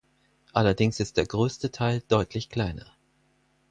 Allerdings ist der größte Teil deutlich kleiner.